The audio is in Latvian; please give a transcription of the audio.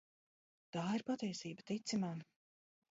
Tā ir patiesība, tici man.